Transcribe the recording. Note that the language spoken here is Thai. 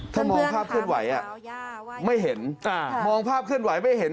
ถ้ามองภาพเคลื่อนไหวไม่เห็นมองภาพเคลื่อนไหวไม่เห็น